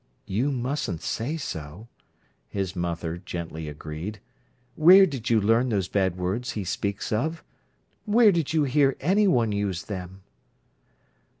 "You mustn't say so," his mother gently agreed "Where did you learn those bad words he speaks of? Where did you hear any one use them?"